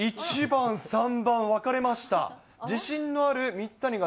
１番、３番、分かれました。